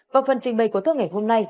và phần trình bày của thông nghệ hôm nay